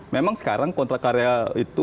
memang sekarang kontrak karya itu